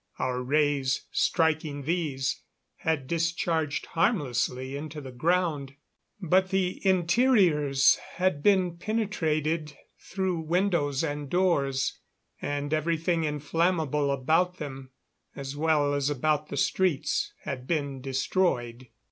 Our rays, striking these, had discharged harmlessly into the ground. But the interiors had been penetrated through windows and doors, and everything inflammable about them, as well as about the streets, had been destroyed.